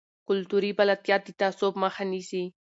کلتوري بلدتیا د تعصب مخه نیسي.